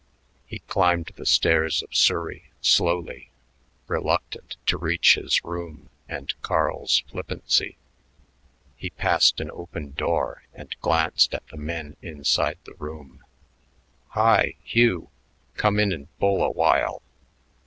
He climbed the stairs of Surrey slowly, reluctant to reach his room and Carl's flippancy. He passed an open door and glanced at the men inside the room. "Hi, Hugh. Come in and bull a while."